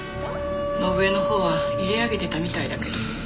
伸枝のほうは入れあげてたみたいだけど。